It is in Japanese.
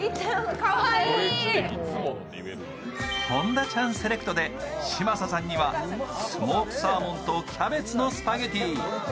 本田ちゃんセレクトで嶋佐さんにはスモークサーモンとキャベツのスパゲティ。